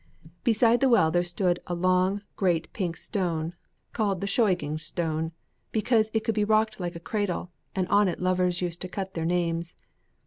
Beside the well there stood for long a great pink stone, called the Shoaging, Stone, because it could be rocked like a cradle, and on it lovers used to cut their names.